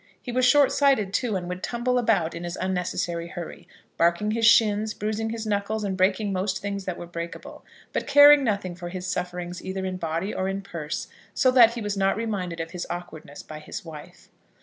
He was short sighted, too, and would tumble about in his unnecessary hurry, barking his shins, bruising his knuckles, and breaking most things that were breakable, but caring nothing for his sufferings either in body or in purse so that he was not reminded of his awkwardness by his wife.